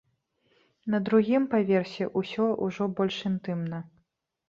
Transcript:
На другім паверсе ўсё ўжо больш інтымна.